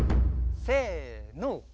せの。